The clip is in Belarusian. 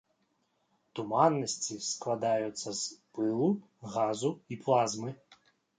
Туманнасці складаюцца з пылу, газу і плазмы.